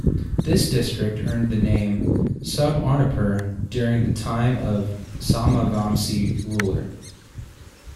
This district earned the name "Subarnapur" during the time of Somavamsi ruler.